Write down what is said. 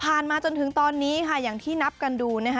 มาจนถึงตอนนี้ค่ะอย่างที่นับกันดูนะคะ